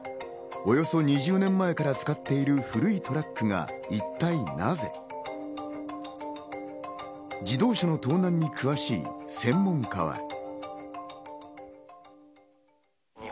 およそ２０年前から使っている古いトラックが一体なぜ？自動車の盗難に詳しい専門家は。